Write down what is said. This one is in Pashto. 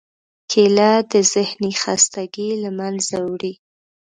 کېله د ذهنی خستګۍ له منځه وړي.